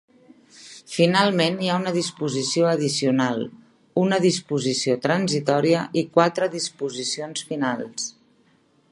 Finalment hi ha una disposició addicional, una disposició transitòria i quatre disposicions finals.